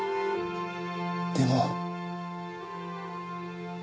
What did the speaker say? でも。